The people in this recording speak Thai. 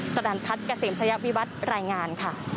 สรรพัฒน์เกษมชะยะวิวัตรรายงานค่ะ